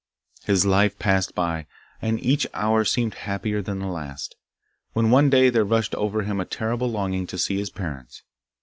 His life passed by, and each hour seemed happier than the last, when one day there rushed over him a terrible longing to see his parents.